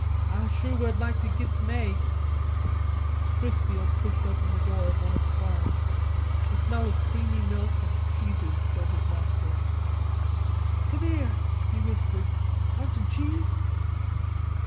"Ah sure would like to git some aigs." Chrisfield pushed open the door of one of the barns. A smell of creamy milk and cheeses filled his nostrils. "Come here," he whispered. "Want some cheese?"